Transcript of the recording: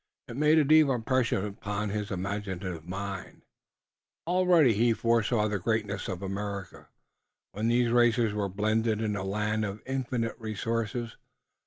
It made a deep impression upon his imaginative mind. Already he foresaw the greatness of America, when these races were blended in a land of infinite resources.